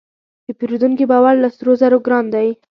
د پیرودونکي باور له سرو زرو ګران دی.